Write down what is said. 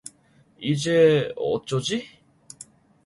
이제 어쩌지?